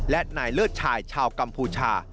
และนายเลิศชายชาวกัมพูชา